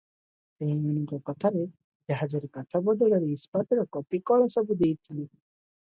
ସେହିମାନଙ୍କ କଥାରେ ଜାହାଜରେ କାଠ ବଦଳରେ ଇସ୍ପାତର କପି କଳ ସବୁ ଦେଇଥିଲି ।